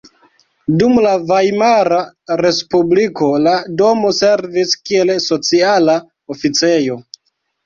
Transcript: Dum la Vajmara respubliko la domo servis kiel sociala oficejo.